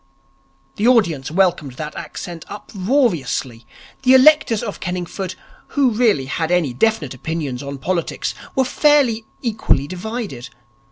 The audience welcomed that accent uproariously. The electors of Kenningford who really had any definite opinions on politics were fairly equally divided.